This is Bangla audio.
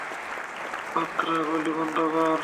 বাতরা, গুলি বন্ধ কর!